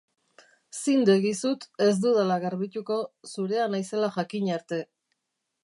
Zin degizut ez dudala garbituko zurea naizela jakin arte.